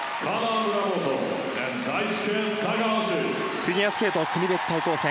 フィギュアスケート国別対抗戦。